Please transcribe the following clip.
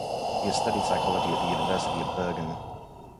He has studied psychology at the University at Bergen.